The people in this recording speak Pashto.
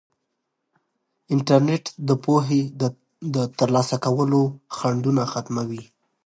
انټرنیټ د پوهې د ترلاسه کولو خنډونه ختموي.